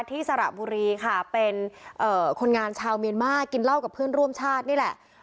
สระบุรีค่ะเป็นคนงานชาวเมียนมาร์กินเหล้ากับเพื่อนร่วมชาตินี่แหละ